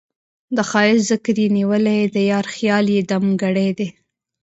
د ښــــــــایست ذکر یې نیولی د یار خیال یې دم ګړی دی